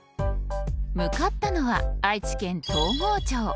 向かったのは愛知県東郷町。